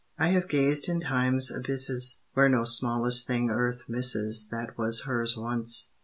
I have gazed in Time's abysses, Where no smallest thing Earth misses That was hers once.